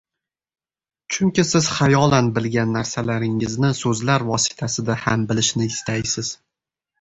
Chunki siz xayolan bilgan narsalaringizni so‘zlar vositasida ham bilishni istaysiz.